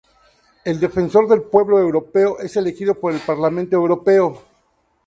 El defensor del pueblo europeo es elegido por el Parlamento Europeo.